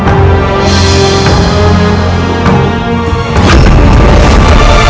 aku akan menang